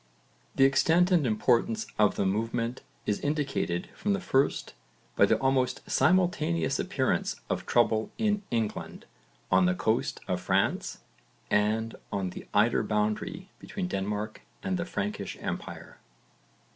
The extent and importance of the movement is indicated from the first by the almost simultaneous appearance of trouble in England, on the coast of France, and on the Eider boundary between Denmark and the Frankish empire.